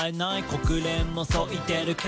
国連もそう言ってるけど」